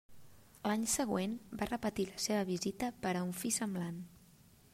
L'any següent, va repetir la seva visita per a un fi semblant.